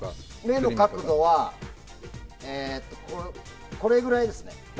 目の角度はこれくらいですね。